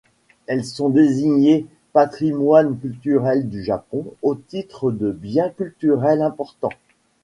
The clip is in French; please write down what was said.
Elles sont désignées patrimoine culturel du Japon au titre de bien culturel important.